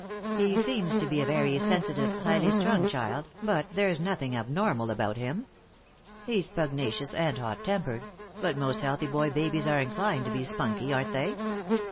He seems to be a very sensitive, highly strung child, but there's nothing abnormal about him. He's pugnacious and hot tempered, but most healthy boy babies are inclined to be spunky, aren't they?